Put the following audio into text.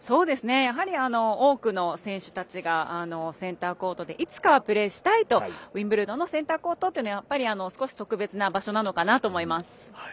やはり、多くの選手たちがセンターコートでいつかはプレーしたいとウィンブルドンのセンターコートっていうのは少し特別な場所なのかなと思います。